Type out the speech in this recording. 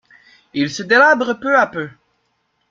Il se délabre peu à peu.